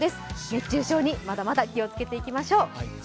熱中症にまだまだ気をつけていきましょう。